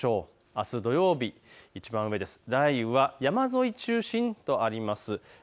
あす土曜日、いちばん上、雷雨は山沿い中心とあります。